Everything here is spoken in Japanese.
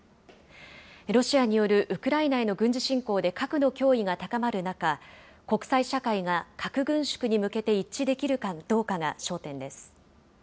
ロシアによるウクライナへの軍事侵攻で核の脅威が高まる中、国際社会が核軍縮に向けて一致できるかどうかが焦点です。